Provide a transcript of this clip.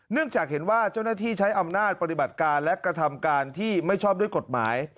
จากเห็นว่าเจ้าหน้าที่ใช้อำนาจปฏิบัติการและกระทำการที่ไม่ชอบด้วยกฎหมาย